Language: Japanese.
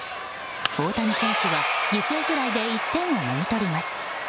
大谷選手は犠牲フライで１点をもぎ取ります。